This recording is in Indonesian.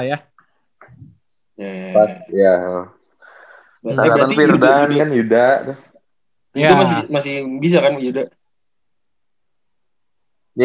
itu masih bisa kan yuda